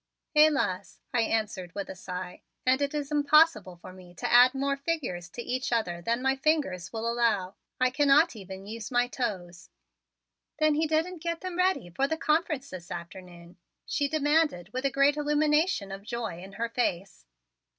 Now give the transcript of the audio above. "Helas," I answered with a sigh. "And it is impossible for me to add more figures to each other than my fingers will allow. I cannot even use my toes." "Then he didn't get them ready for the conference this afternoon?" she demanded with a great illumination of joy in her face.